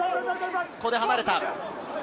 ここで離れた。